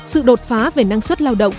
sự đột phá về năng suất lao động